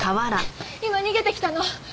今逃げてきたの。